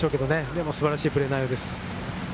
でも、素晴らしいプレー内容です。